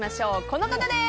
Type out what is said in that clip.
この方です。